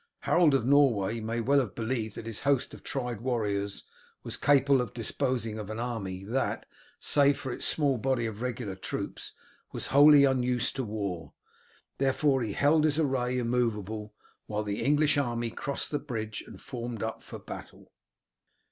Harold of Norway may well have believed that his host of tried warriors was capable of disposing of an army that, save for its small body of regular troops, was wholly unused to war; therefore, he held his array immovable while the English army crossed the bridge and formed up for battle.